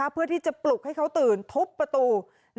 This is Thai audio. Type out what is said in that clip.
เพื่อที่จะปลุกให้เขาตื่นทุบประตู